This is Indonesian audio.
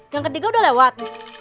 yang ketiga udah lewat